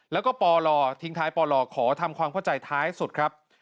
แล้วก็ปลทิ้งท้ายปล่อขอทำความเข้าใจท้ายสุดครับ